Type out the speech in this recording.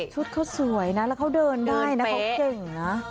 ชุดเขาสวยนะแล้วเขาเดินได้นะเขาเก่งนะ